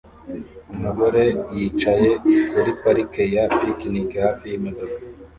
Umugore yicaye kuri parike ya picnic hafi yimodoka